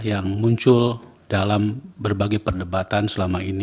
yang muncul dalam berbagai perdebatan selama ini